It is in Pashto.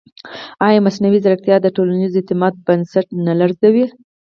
ایا مصنوعي ځیرکتیا د ټولنیز اعتماد بنسټ نه لړزوي؟